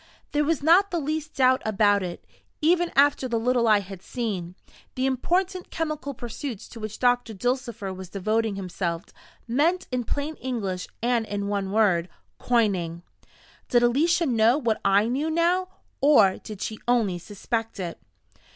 There was not the least doubt about it, even after the little I had seen: the important chemical pursuits to which Doctor Dulcifer was devoting himself, meant, in plain English and in one word Coining. Did Alicia know what I knew now, or did she only suspect it?